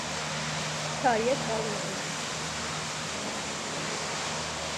Kā iet, balodīši?